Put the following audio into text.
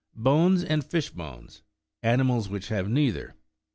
BONES AND EISH BONES : ANIMALS WHICH HATE NEITHER.